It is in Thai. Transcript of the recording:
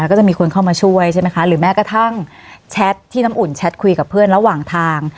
ก็จะมีคนเข้ามาช่วยใช่ไหมคะหรือแม้กระทั่งแชทที่น้ำอุ่นแชทคุยกับเพื่อนระหว่างทาง